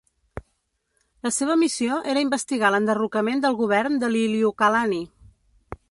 La seva missió era investigar l'enderrocament del govern de Liliuokalani.